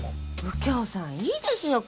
右京さんいいですよ！